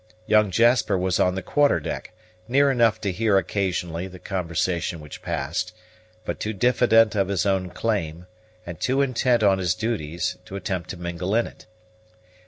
Young Jasper was on the quarter deck, near enough to hear occasionally the conversation which passed; but too diffident of his own claim, and too intent on his duties, to attempt to mingle in it.